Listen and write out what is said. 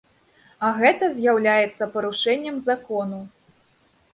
А гэта з'яўляецца парушэннем закону.